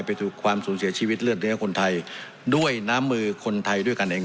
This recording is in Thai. ถูกความสูญเสียชีวิตเลือดเนื้อคนไทยด้วยน้ำมือคนไทยด้วยกันเอง